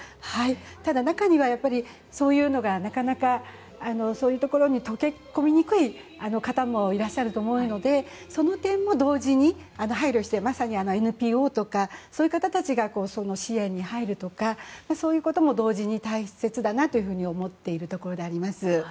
ただ、中にはやっぱりなかなかそういうところに溶け込みにくい方もいらっしゃると思うのでその点も同時に、配慮してＮＰＯとかの方たちが支援に入るとかそういうことも同時に大切だなというふうに思っているところであります。